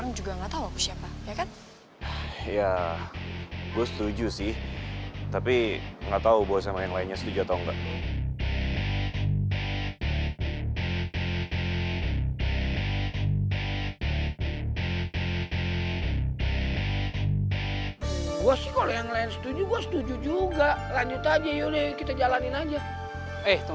aku lagi berusaha membuang kesedihan ya om